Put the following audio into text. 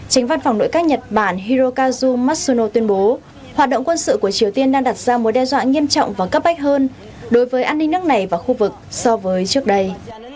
tránh văn phòng nội các nhật bản hirokazu matsuno tuyên bố hoạt động quân sự của triều tiên đang đặt ra mối đe dọa nghiêm trọng và cấp bách hơn đối với an ninh nước này và khu vực so với trước đây